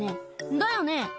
「だよね」